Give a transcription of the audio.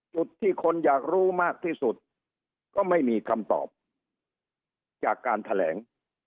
จุดที่คนอยากรู้มากที่สุดก็ไม่มีคำตอบจากการแถลง